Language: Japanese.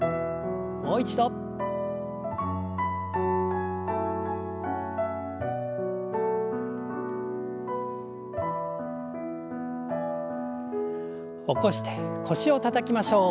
もう一度。起こして腰をたたきましょう。